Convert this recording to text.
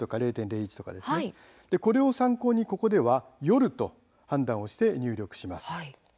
これを参考にここでは「夜」と判断して入力します。